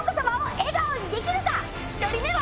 １人目は。